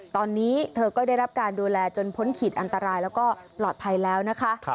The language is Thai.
ตอนนี้เธอก็ได้รับการดูแลจนพ้นขีดอันตรายแล้วก็ปลอดภัยแล้วนะคะ